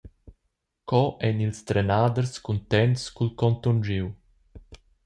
Co ein ils trenaders cuntents cul contonschiu?